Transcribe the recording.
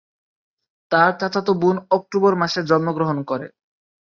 তার চাচাতো বোন অক্টোবর মাসে জন্মগ্রহণ করে।